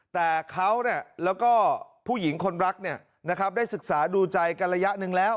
แต่เขาแล้วก็ผู้หญิงคนรักได้ศึกษาดูใจกันระยะหนึ่งแล้ว